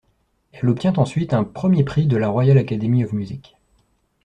Elle obtient ensuite un premier prix de la Royal Academy of Music.